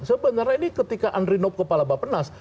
sebenarnya ini ketika andri nob kepala bapak penas